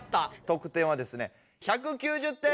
得点はですね１９０点！